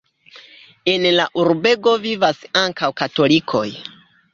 En la urbego vivas ankaŭ katolikoj.